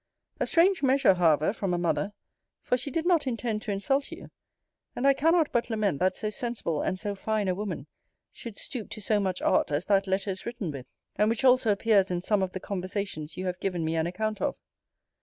A strange measure however from a mother; for she did not intend to insult you; and I cannot but lament that so sensible and so fine a woman should stoop to so much art as that letter is written with: and which also appears in some of the conversations you have given me an account of.